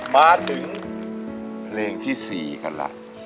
มาถึงเพลงที่๔กันล่ะ